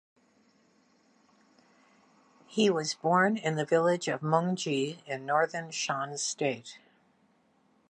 He was born in the village of Mung Ji in northern Shan State.